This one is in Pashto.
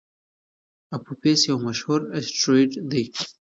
اپوفیس یو مشهور اسټروېډ دی.